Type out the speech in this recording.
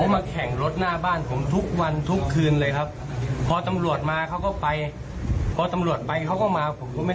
มาแล้วมันเริ่มต้นใหม่ที่หน้าบ้านผมแล้วแล้วเราไม่ได้